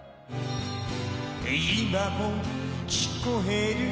今も聞こえる